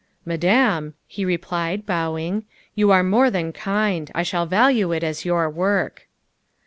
" Madame," he replied, bowing, " you are more than kind. I shall value it as your work."